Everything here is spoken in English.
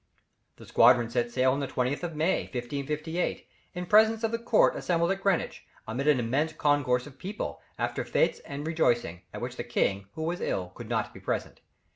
The squadron set sail on the 20th of May, 1558, in presence of the court assembled at Greenwich, amid an immense concourse of people, after fêtes and rejoicings, at which the king, who was ill, could not be present.